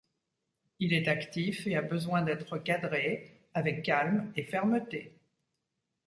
Il est actif et a besoin d'être cadré avec calme et fermeté.